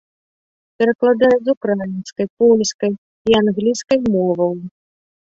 Перакладае з украінскай, польскай і англійскай моваў.